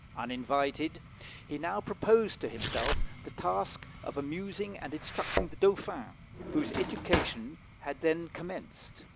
Uninvited, he now proposed to himself the task of amusing and instructing the Dauphin, whose education had then commenced.